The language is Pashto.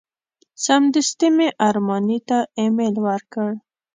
سمدستي مې ارماني ته ایمیل ورکړ.